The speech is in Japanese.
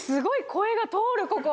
「声が通るここ」。